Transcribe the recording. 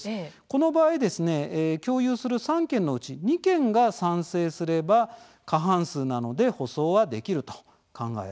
この場合ですね共有する３軒のうち２軒が賛成すれば過半数なので舗装はできると考えられます。